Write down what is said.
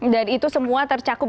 dan itu semua tercakup